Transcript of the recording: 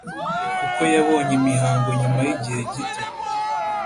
kuko yabonye imihango nyuma yigihe gito